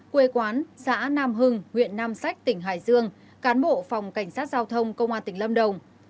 quê quán xã nam hưng huyện nam sách tỉnh hải dương cán bộ phòng cảnh sát giao thông công an tỉnh lâm đồng